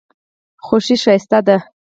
خوښي ښایسته ده.